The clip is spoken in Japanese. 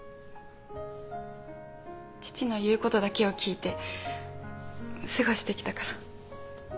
父の言うことだけを聞いて過ごしてきたから。